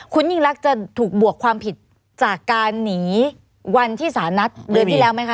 คุณยิ่งรักจะถูกบวกความผิดจากการหนีวันที่สารนัดเดือนที่แล้วไหมคะ